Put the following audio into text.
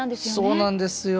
そうなんですよ。